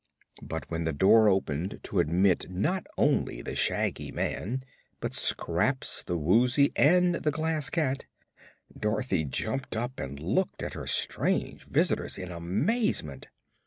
But when the door opened to admit not only the Shaggy Man, but Scraps, the Woozy and the Glass Cat, Dorothy jumped up and looked at her strange visitors in amazement.